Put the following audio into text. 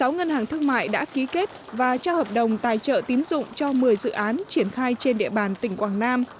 sáu ngân hàng thương mại đã ký kết và cho hợp đồng tài trợ tín dụng cho một mươi dự án triển khai trên địa bàn tỉnh quảng nam